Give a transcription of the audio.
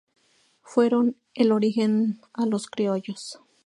Fueron el origen a los criollos.